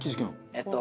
えっと。